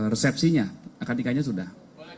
resepsinya akad nikahnya sudah